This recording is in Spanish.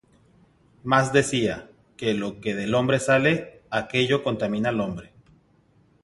Mas decía, que lo que del hombre sale, aquello contamina al hombre.